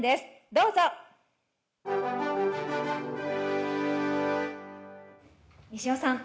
どうぞ西尾さん